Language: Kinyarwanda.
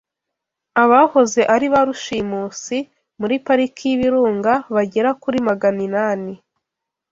abahoze ari ba rushimusi muri Pariki y’Ibirunga bagera kuri magana inani